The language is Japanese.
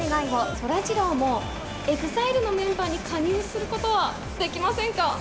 そらジローも、ＥＸＩＬＥのメンバーに加入することはできませんか？